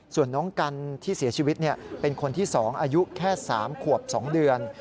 ส่วนน้องกันที่เสียชีวิตเป็นคนที่๒อายุแค่๓ขวบ๒เดือน